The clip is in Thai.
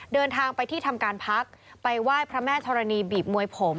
เดินทางไปที่ทำการพักไปไหว้พระแม่ธรณีบีบมวยผม